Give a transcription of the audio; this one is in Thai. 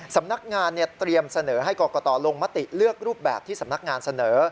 สำนักงานเตรียมเสนอให้กรกตลงมติเลือกรูปแบบที่สำนักงานเสนอ